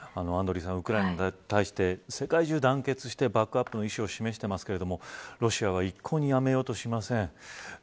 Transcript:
アンドリーさん、ウクライナに対して世界中が団結してバックアップの意思を示していますがロシアは一向にやめようとしません。